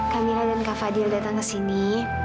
kamila dan kak fadil datang kesini